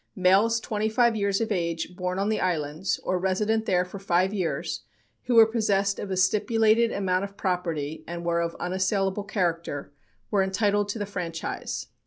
Males twenty five years of age, born on the islands, or resident there for five years, who were possessed of a stipulated amount of property and were of unassailable character, were entitled to the franchise.